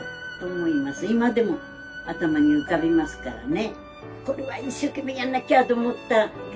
今でも頭に浮かびますからね。